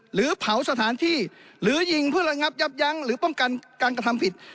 หรือเผาสถานที่หรือยิงเพื่อระงับยับยั้งหรือป้องกันการกระทำผิด